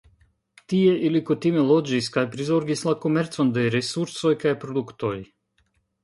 Tie ili kutime loĝis kaj prizorgis la komercon de resursoj kaj produktoj.